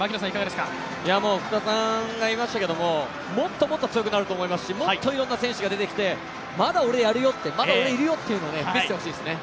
福田さんが言いましたけどももっともっと強くなると思いますし、もっといろんな選手が出てきてまだ俺、やれるよ、まだ俺いるよっていうのを見せてほしいですね。